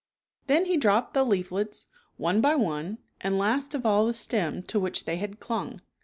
Then he dropped the leaflets, one by one, and last of all the stem to which they had clung.